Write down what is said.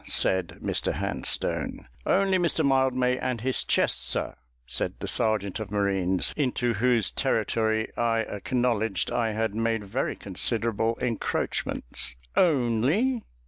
said Mr Handstone. 'Only Mr Mildmay, and his chest, sir,' said the sergeant of marines, into whose territory I acknowledged I had made very considerable incroachments. 'Only!'